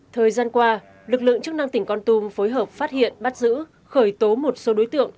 thời gian qua lực lượng chức năng tỉnh con tum phối hợp phát hiện bắt giữ khởi tố một số đối tượng